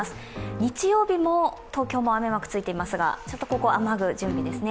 日曜日も東京も雨マークがついていますが、ここは雨具の準備ですね。